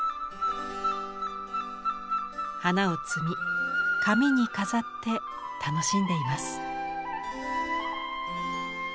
花を摘み髪に飾って楽しんでいます。